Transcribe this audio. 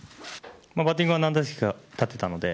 バッティングは何打席か立てたので